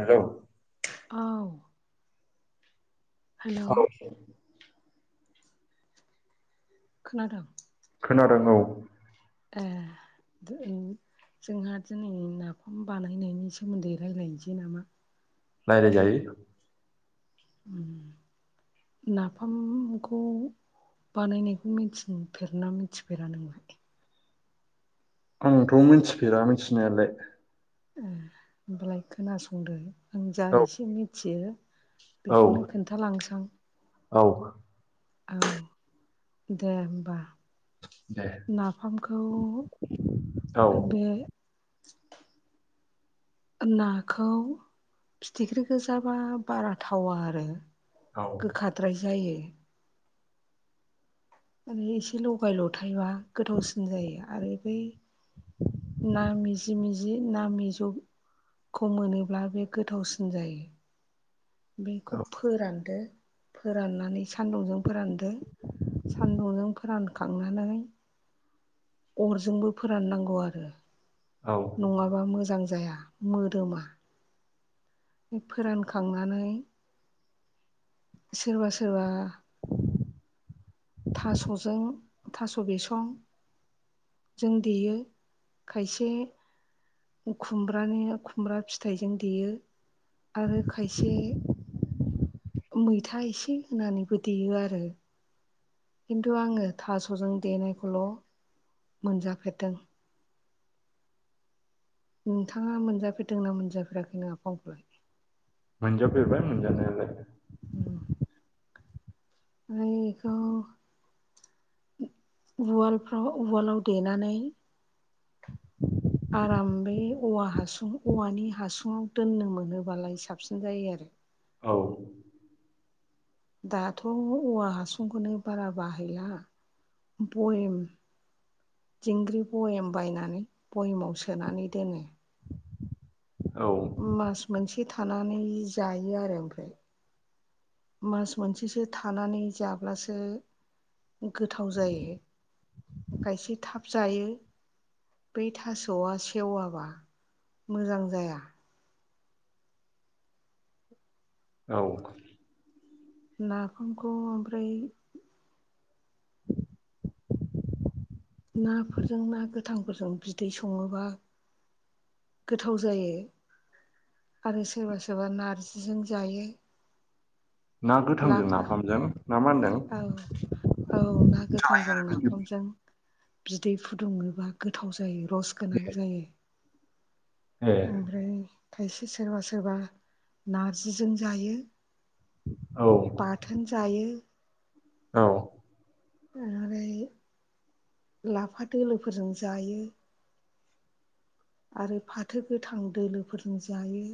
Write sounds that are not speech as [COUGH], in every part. हेल'! औ हेलौ औ खोनादोंं। खोनादों औ ए [INAUDIBLE] जोंहा दिनै नाफाम बानायनायनि सोमोन्दै रायजलायनोसै नामा? रायलायजायो। नाफामखौ बानायनायखौ मिथिफेरा मिथिफेरा नों आंथ' मिथिफेरा मिथिनायालाय ए होनोमबालाय खोनासंदो आं जा औ एसे मिथियो औ बेखौनो खोन्थालांसां औ औ दे होमबा दे नाफामखौ औ बे [UNINTELLIGIBLE] नाखौ फिथिख्रि गोजाबा बारा थावा आरो गोखाद्राय जायो मान एसे लगाय ल'थायबा गोथावसिन जायो आरो बै ना मिजि मिजि नामज' खौ मोनोब्ला बे गोथावसिन जायो बेखौ औ फोरानदो फोराननानै सान्दुंजों फोरानदो सान्दुंजों फोरानखांनानै अरजोंबो फोराननांगौ आरो औ नङाबा मोजां जाया मोदोमा फोरानखांनानै सोरबा सोरबा थास'जों थास' बिसं जों देयो खायसे खुमब्रानि खुमब्रा फिथाइजों देयो आरो खायसे मैथा एसे होनानैबो देयो आरो खिन्थु आङो थास'जों देनायखौल' मोनजाफेरदों नोंथाङा मोनजाफेरदोंना मोनजाफेराखै न आफाामखौलाय मोनजा फेरबाय मोनजा नायालाय उ रखौ उवालफ्राव उवालाव देनानै आराम बे औवा हासुं औवानि हासुङाव दोननो मोनोबालाय साबसिन जायो आरो औ दाथ' औवा हासुंखौनो बारा बाहायला बयेम दिंग्रि भयेम बायनानै भयेमाव सोनानै दोनो औ मास मोनसे थानानै जायो आरो ओमफ्राय मास मोनसेसो थानानै जाब्लासो गोथाव जायो खायसे थाब जायो बै थास'आ सेववाबा मोजां जाया औ नाागामखौ ओमफ्राय नाफोरजों ना गोथांफोरजों बिदै सङोबा गोथाव जायो आरो सोरबा सोरबा नारजिजों जायो ना गोथांजों लाफा नाफामजों ना मा होनदों औ औ ना गोथांजों नाफामजों बिदै फुदुङोबा गोथाव जायो रस गोनां जायो ए ओमफ्राय खायसे सोरबा सोरबा नारजिजों जायो औ बाथोन जायो औ ओै लाफा दोलोफोरजों जायो आरो फाथो गोथां दोलोफोरनो जायो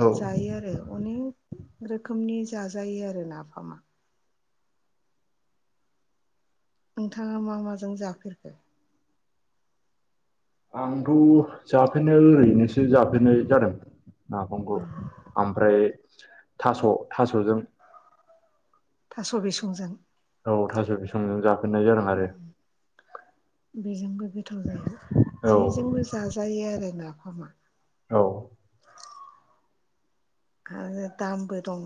औ जायो आरो अनेक रोखोमनि जाजायो आरो नाफामा नोंथाङा मा माजों जाफेरखो आंथ' जाफेरनाय ओरैनोसो जाफेरनाय जादों माफंखौ ओमफ्राय थास' थास'जों थास' बिसंजों औ थास' बिसंजों जाफेरननाय जादों आरो बेजोंबो गोथाव जायो औ जेजोंबो जाजायो आरो नाफामा औ आरो दामबो दं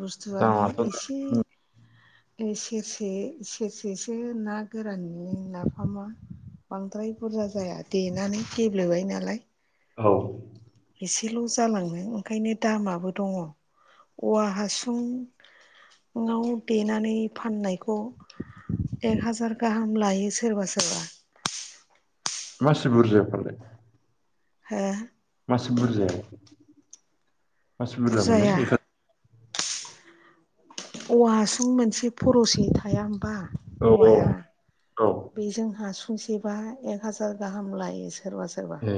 बुस्थुआ नों दामाथ' एसे दा ए सेरसे सेरसेसो ना गोरानल नाफामा बांद्राय बुरजा जाया देनानै गेब्लेबाय नालाय औ एसेल' जालांनो ओंखायनो दामाबो दङ औवा हासुं नाव देनानै फाननायखौ एक हाजार गाहाम लायो सोरबा सोरबा मासि बुरजायफालाय ओ मासि बुरजायाव मासि बुरजा मोनो बुरजाया एक औवाहासुं मोनसे फरसे थाया होमबा औ औवाया औ औ बे जों फुंसेबा एक हाजार गाहाम लायो सोरबा सोरबा ए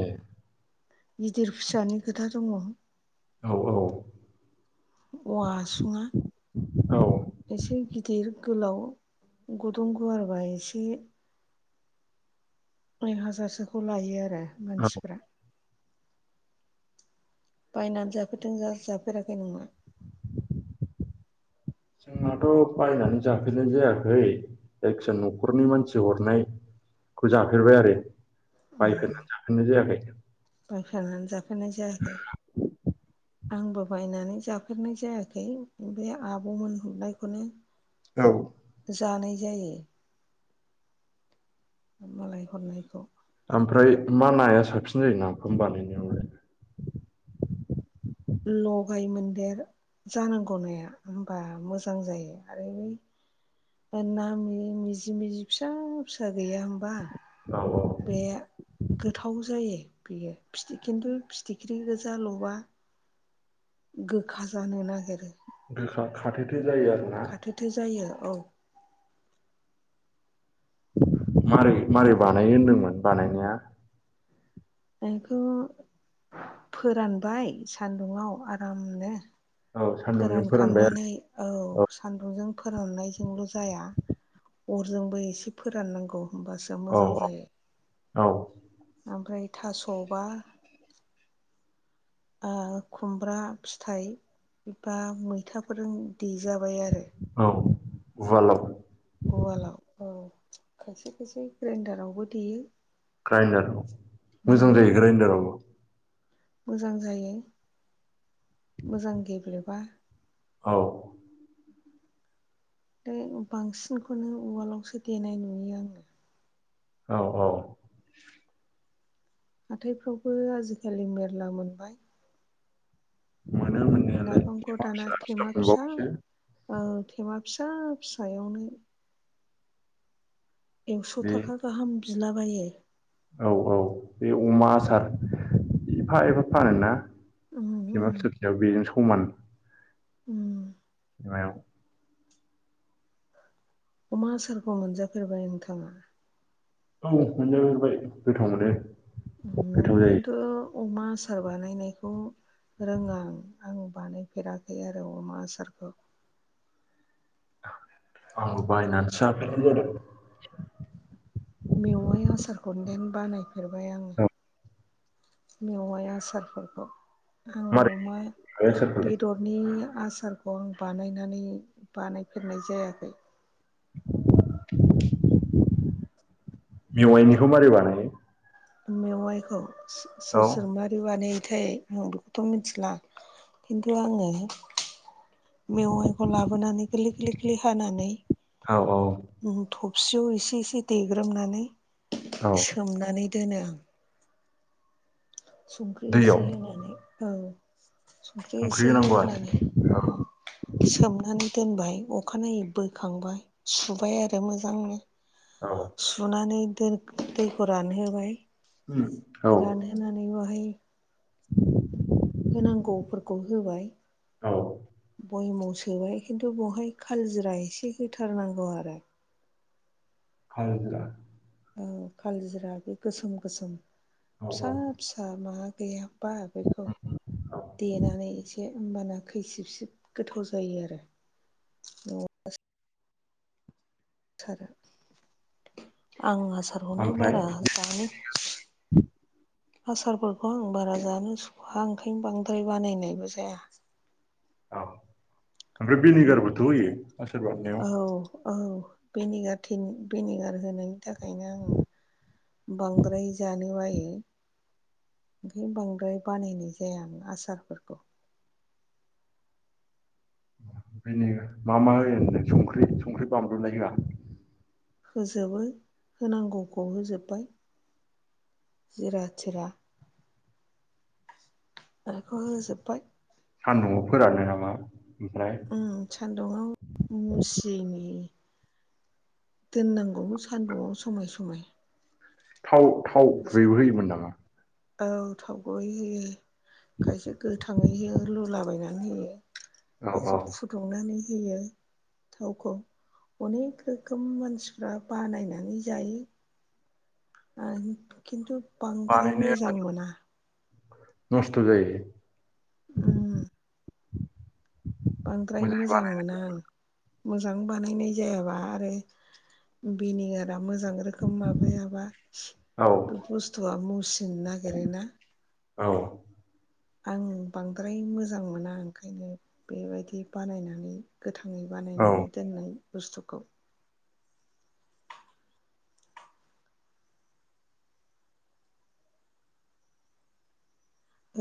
गिदिर फिसानि खोथा दङ औ औवाहासुङा औ एसे गिदिर गोलाव गुदुं गुवारबा एसे एक हाजारसोखौ लायो आरो औ मानसिफ्रा बायनानै जाफेरदों ना जाफेराखै नङा जोंहाथ' बायनानै जाफेरनाय जायाखै जायखिजाया न'खरनि मानसि हरनाय खौ जाफेरबाय आरो बायफेरनानै जाफेरनाय जायाखै बायफेरनानै जाफेरनाय जायाखै आंबो बायनानै जाफेरनाय जायाखै बे आब'मोन गुरनायखौनो औ जानाय जायो मालाय हरनायखौ ओमफ्राय मा नाया साबसिन जायो ना फाम बानायनायावलाय लगाय मन्देर जानांगौ नाया होनबा मोजां जायो आरो बै ना मिजि मिजि फिसा फिसा गैया होमबा औ औ बे गोथाव जायो बेयो खिन्थु फिथिख्रि गोोजा लबा गोखा जानो नागिरो गोखा खाथोथो जायो आरोना खाथोथो जायो औ मारै मारै बानायनो होनदोंमोन बानायनाया बेखौ फोरानबाय सान्दुंआव आरामनो औ सान्दुंजों फोरानबाय आरो फोरानखांनानै औ सान्दुंजों फोराननायजोंल' जाया अरजोंबो एसे फोराननांगौ होमबासो औ मोजां जायो औ ओमफ्राय थास'बा ओ खुमब्रा फिथाइ बा मैथाफोरजों देजाबाय आरो औ उवालाव उवालाव औ खायसे खायसे ग्राइन्डारावबो देयो ग्राइडाराव उम मोजां जायो ग्राइडाराव मोजां जायो मोजां गेब्लेबा औ दों बांसिनखौनो उवालावसो देनाय नुयो आङो औ औ हाथायफ्रावबो आजिखालि मेरला मोनबाय मोनो मोननायालाय नाफामखौ एमा दाना फिसा थेमा फिसा मोनबावोसो औ थेमा फिसा फिसायावनो एक्स' बे थाखा गाहाम बिलाबायो औ औ बे अमा आसार एफा एफा फानो ना उम थेमा उम फिसा फिसायाव बेजों समान उम मायाव अमा आसारखौ मोनजाफेरबाय नोंथाङा औ मोनजाफेरबाय गोथाव मोनो। उम गोथाव जायो खिनथु अमा आसार बानायनायखौ रोङा आं आं बानायफेराखै आरो अमा आसारखौ। औ बायनासो जाफेरनाय जादों मेवाइ आसारखौ देन बानायफेरबाय आङो। औ मेवाइ आसारफोरखौ। आं मारै अमा बानायो आसारखौलाय बेदरनि आसारखौ आं बानायनानै बानायफेरनाय जायाखै। मेवाइनिखौ मारै बानायो मेवाइखौ सोर औ सोर मारि बानाय थोय आं बेखौथ' मिथिला खिन्थु आङो मेवाइखौ लाबोनानै गोरलै गोरलै गोरलै हानानै औ औ सियाव एसे एसे देग्रोमनानै औ सोमनानै दोनो आं संख्रि एसे दैयाव होनानै औ संख्रि एसे होनांगौ होननानै आरो उम सोमनानै दोनबाय अखानायै बोखांबाय सुबाय आरो मोजांनो। औ औ सुनानै दोन दैखौ रानहोबाय उम औ रानहोनानै बाहाय होनांगौफोरखौ होबाय। औ बयमाव सोबाय खिन्थु बेवहाय कालजिरा एसे होथारनांगौ आरो आलजिरा। औ कालजिरा बे गोसोम गोसोम औ फिसा औ फिसा मा गैयाबा बेखौ औ देनानै एसे होमबाना खैसिब सिब गोथाव जायो आरो [UNINTELLIGIBLE] सारो। आं आसारखौनो ओमफ्राय बारा बे- जानो सुख आसारफोरखौ आं बारा जानो सुखुवा ओंखायनो बांद्राय बानायनायबो जाया। औ ओमफ्राय भिनिगारबोथ' होयो आसार औ बानायनायाव? औ भिनिगार थिन भिनिगार होनायनि थाखायनो आङो बांद्राय जानो बायो। ओंखायनो बांद्राय बानायनाय जाया आं आसारफोरखौ। बेनो मा मा होयो होनदों संख्रि संख्रि बानलुलाय होआ? होजोबो होनांगौखौ होजोबबाय। जिरा थिरा। होजोब बाय। सान्दुंआव फोरानो नामा? ओमफ्राय उम सान्दुङाव मुसियैनि दोननांगौ सान्दुंआव समाय समाय। थाव-थाव एसे गुबैबो होयोमोन नामा? औ थाव गुबै होयो, खायसे गोथाङै होयो लुलाबायनानै होयो। एसे औ औ फुदुंनानै होयो। थावखौ अनेक रोखोम मानसिफ्रा बानायनानै जायो। आं खिन्थु बांद्राय मोजां मोना। नस्ट जायो। उम बांद्राय मोजाङै मोजां मोना आं। मोजां बानायनाय जायाबा आरो बिनेगार मोजां रोखोम माबायाबा बानाय औ बुस्थुआ मुसिनो नागिरो ना। औ आं बांद्राय मोजां मोना ओंखायनो बेबायदि बानायनानै गोथा ङै औ बानायनानै दोननाय बुस्थुखौ।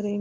ओरै